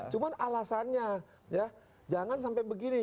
cuman alasannya jangan sampai begini